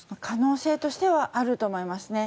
可能性としてはあると思います。